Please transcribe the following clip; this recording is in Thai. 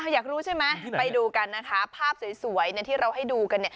อยากรู้ใช่ไหมไปดูกันนะคะภาพสวยที่เราให้ดูกัน